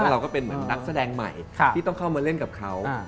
เราก็เป็นเหมือนนักแสดงใหม่ที่ต้องเข้ามาเล่นกับเขา